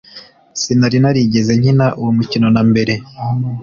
sinari narigeze nkina uwo mukino mbere